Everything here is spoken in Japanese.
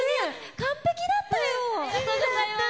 完璧だったよ！